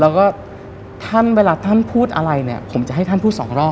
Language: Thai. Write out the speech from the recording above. แล้วก็ท่านเวลาท่านพูดอะไรเนี่ยผมจะให้ท่านพูดสองรอบ